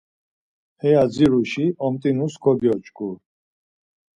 Heya dziruşi omt̆inus kogyoç̌ǩu.